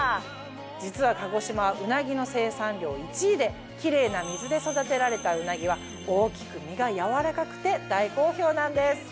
実は鹿児島はうなぎの生産量１位でキレイな水で育てられたうなぎは大きく身がやわらかくて大好評なんです！